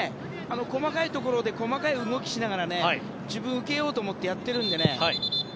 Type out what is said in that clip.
細かいところで細かい動きをしながら自分で受けようと思ってやっているのでね。